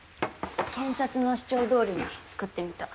検察の主張どおりに作ってみた。